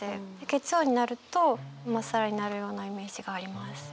月曜になるとまっさらになるようなイメージがあります。